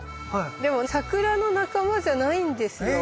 でもサクラの仲間じゃないんですよ。へ。